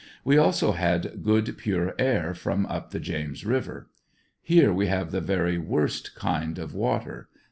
We also had good pure air from up the James River. Here we have the very worst kind of water.